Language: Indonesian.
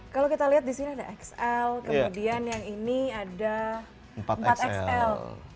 kalau kita lihat di sini ada xl kemudian yang ini ada empat xl